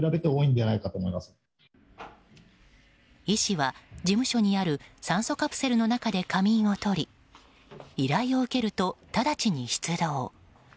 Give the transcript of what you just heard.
医師は事務所にある酸素カプセルの中で仮眠をとり依頼を受けると直ちに出動。